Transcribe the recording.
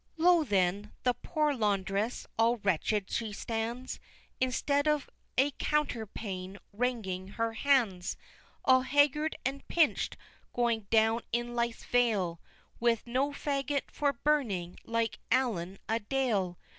Lo, then, the poor laundress, all wretched she stands, Instead of a counterpane wringing her hands! All haggard and pinch'd, going down in life's vale, With no fagot for burning, like Allan a dale!